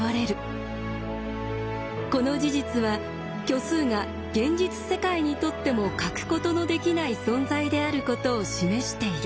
この事実は虚数が現実世界にとっても欠くことのできない存在であることを示している。